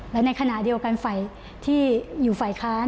และในขณะเดียวกันฝ่ายที่อยู่ฝ่ายค้าน